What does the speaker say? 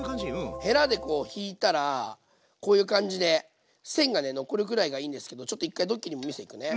でへらでこう引いたらこういう感じで線がね残るくらいがいいんですけどちょっと１回ドッキーにも見せ行くね。